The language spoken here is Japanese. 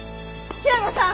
平野さん！